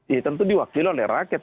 itu tentu diwakil oleh rakyat